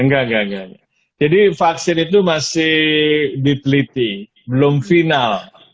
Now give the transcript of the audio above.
enggak enggak jadi vaksin itu masih diteliti belum final